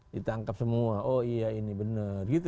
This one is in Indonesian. ditangkap semua oh iya ini benar gitu